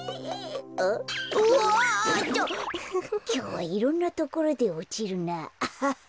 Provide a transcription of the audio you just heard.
きょうはいろんなところでおちるなあ。